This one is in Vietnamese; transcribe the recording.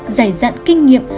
giải dạn kinh nghiệm